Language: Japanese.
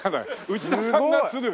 内田さんがする。